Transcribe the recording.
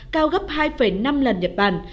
cao gấp hai năm lần nhật bản